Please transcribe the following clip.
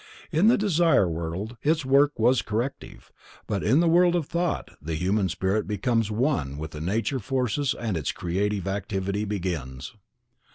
In the Desire World its work was corrective, but in the World of Thought the human spirit becomes one with the nature forces and its creative activity begins.